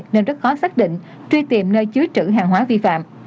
nên rất khó xác định truy tìm nơi chứa trữ hàng hóa vi phạm